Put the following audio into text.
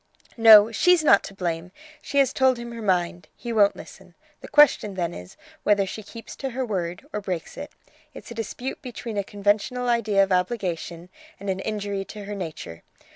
"No, she's not to blame! She has told him her mind; he won't listen. The question then is, whether she keeps to her word, or breaks it. It's a dispute between a conventional idea of obligation and an injury to her nature.